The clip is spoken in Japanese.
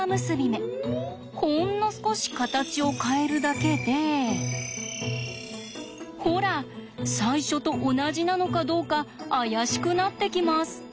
ほんの少し形を変えるだけでほら最初と同じなのかどうか怪しくなってきます。